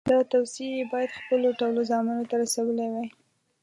دا توصیې یې باید خپلو ټولو زامنو ته رسولې وای.